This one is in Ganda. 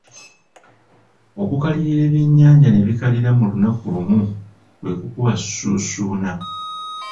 Okukalirira ebyennyanja ne bikalira mu lunaku lumu kwe kukuba susuna.